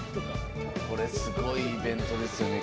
これすごいイベントですよね